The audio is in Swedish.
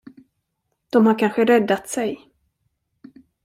De har kanske räddat sig.